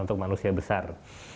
untuk manusia besar